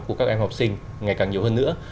của các em học sinh ngày càng nhiều hơn nữa